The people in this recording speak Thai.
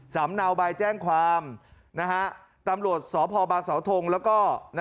เนาใบแจ้งความตำรวจสพบางสาวทงแล้วก็